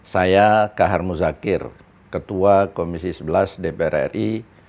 saya kahar muzakir ketua komisi sebelas dpr ri